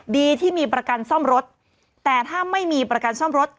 ดีที่มีประกันซ่อมรถแต่ถ้าไม่มีประกันซ่อมรถ